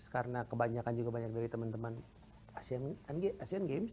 karena kebanyakan juga banyak dari teman teman asean games